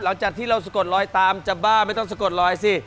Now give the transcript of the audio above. หลังจากที่เราสะกดลอยตามจะบ้าไม่ต้องสะกดลอยสิ